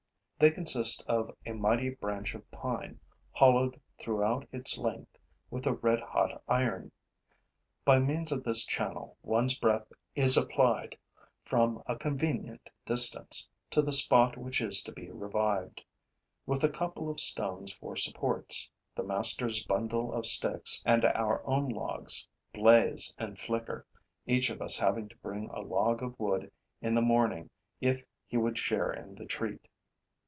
They consist of a mighty branch of pine, hollowed throughout its length with a red hot iron. By means of this channel, one's breath is applied, from a convenient distance, to the spot which is to be revived. With a couple of stones for supports, the master's bundle of sticks and our own logs blaze and flicker, each of us having to bring a log of wood in the morning, if he would share in the treat.